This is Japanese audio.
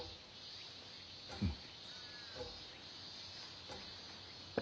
うん。